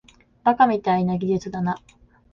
バカみたいな技術だな